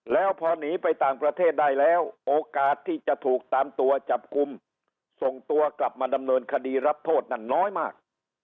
แล้วพอหนีไปต่างประเทศได้แล้วโอกาสที่จะถูกตามตัวจับกลุ่มส่งตัวกลับมาดำเนินคดีรับโทษนั่นน้อยมาก